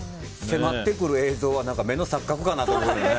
迫ってくる映像は目の錯覚かな？と思うよね。